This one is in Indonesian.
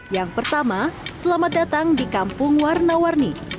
yang pertama selamat datang di kampung warna warni